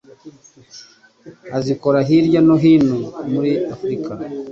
azikora hirya no hino muri Afrika